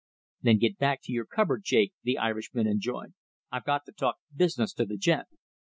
"Then get you back to your cupboard, Jake," the Irishman enjoined. "I've got to talk business to the gent."